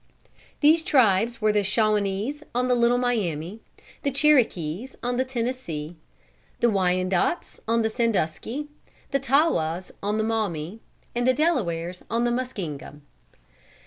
These tribes were the Shawanese on the Little Miami, the Cherokees on the Tennessee, the Wyandotts on the Sandusky, the Tawas on the Maumee, and the Delawares on the Muskingum.